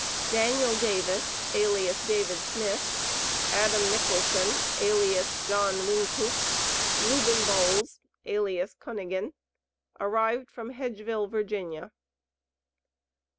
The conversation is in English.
DANIEL DAVIS, ALIAS DAVID SMITH, ADAM NICHOLSON, ALIAS JOHN WYNKOOP, REUBEN BOWLES, ALIAS CUNNIGAN, ARRIVED FROM HEDGEVILLE, VA.